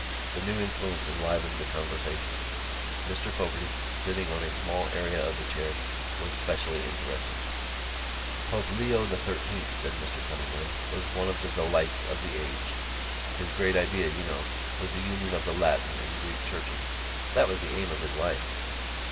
This new influence enlivened the conversation. Mr Fogarty, sitting on a small area of the chair, was specially interested. "Pope Leo XIII.," said Mr Cunningham, "was one of the lights of the age. His great idea, you know, was the union of the Latin and Greek Churches. That was the aim of his life."